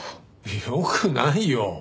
よくないよ。